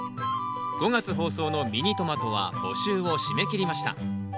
５月放送の「ミニトマト」は募集を締め切りました。